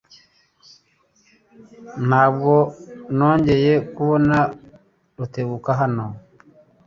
Ntabwo nongeye kubona Rutebuka hano.